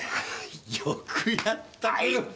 よくやった黒木！